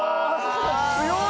強い！